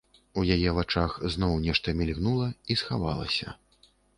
У яе вачах зноў нешта мільгнула і схавалася.